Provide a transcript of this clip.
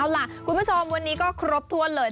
เอาล่ะคุณผู้ชมวันนี้ก็ครบถ้วนเลย